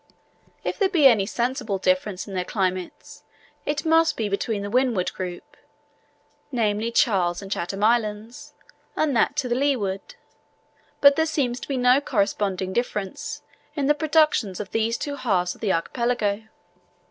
If there be any sensible difference in their climates, it must be between the Windward group (namely, Charles and Chatham Islands), and that to leeward; but there seems to be no corresponding difference in the productions of these two halves of the archipelago.